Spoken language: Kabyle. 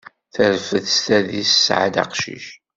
Terfed s tadist, tesɛa-d aqcic.